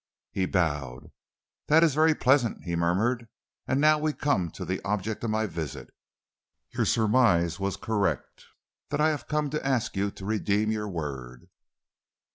He bowed. "That is very pleasant," he murmured. "And now we come to the object of my visit. Your surmise was correct. I have come to ask you to redeem your word."